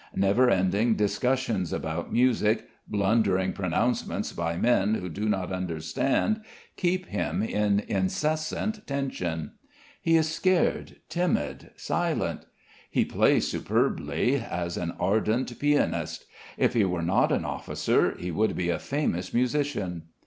Never ending discussions about music, blundering pronouncements by men who do not understand keep him in incessant tension. He is scared, timid, silent. He plays superbly, as an ardent pianist. If he were not an officer, he would be a famous musician.